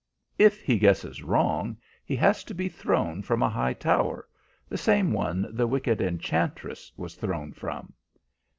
If he guesses wrong, he has to be thrown from a high tower the same one the wicked enchantress was thrown from."